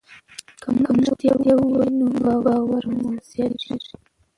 که موږ ریښتیا ووایو نو باور مو زیاتېږي.